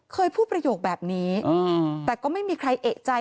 เคยพูดประโยคแบบนี้แต่ก็ไม่มีใครเอกใจ